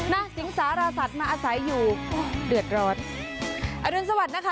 สิงสารสัตว์มาอาศัยอยู่เดือดร้อนอรุณสวัสดิ์นะคะ